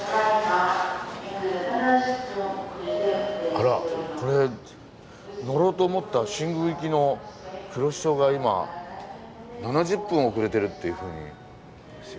あらこれ乗ろうと思った新宮行きのくろしおが今７０分遅れてるっていうふうに。